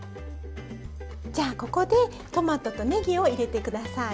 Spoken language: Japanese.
じゃあここでトマトとねぎを入れて下さい。